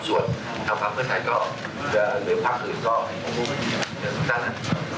ส่วนถ้าภักดิ์เพื่อนไทยก็จะเหลือภักดิ์อื่นก็จะตามนะ